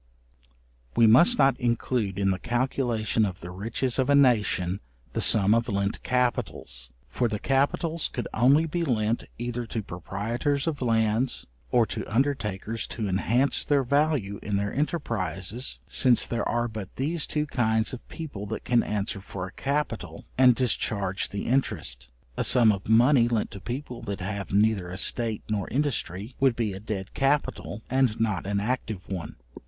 We must not include in the calculation of the riches of a nation the sum of lent capitals; for the capitals could only be lent either to proprietors of lands, or to undertakers to enhance their value in their enterprizes, since there are but these two kinds of people that can answer for a capital, and discharge the interest: a sum of money lent to people that have neither estate nor industry, would be a dead capital, and not an active one.